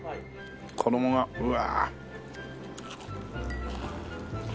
衣がうわあ。